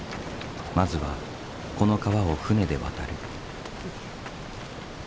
まずはこの川を船で渡る。